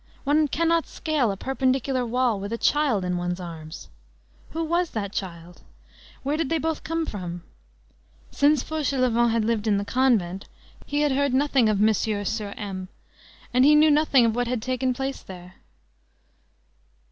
One cannot scale a perpendicular wall with a child in one's arms. Who was that child? Where did they both come from? Since Fauchelevent had lived in the convent, he had heard nothing of M. sur M., and he knew nothing of what had taken place there.